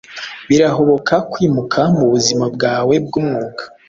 birahoboka kwimuka mubuzima bwawe bwumwuga